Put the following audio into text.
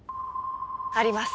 あります。